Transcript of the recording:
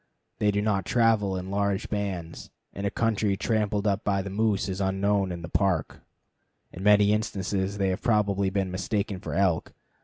They do not travel in large bands, and a country tramped up by moose is unknown in the Park. In many instances they have probably been mistaken for elk.